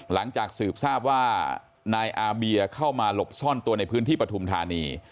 หลังจากสืบทราบว่านายอาเบียเข้ามาหลบซ่อนตัวในพื้นที่ปฐุมธานี